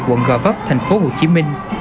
quận gò vấp tp hcm